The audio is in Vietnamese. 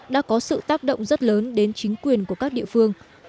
đã có sự tác động rất lớn đến chính quyền của các địa phương